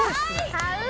買う！